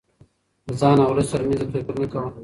د ځان او ولس ترمنځ يې توپير نه کاوه.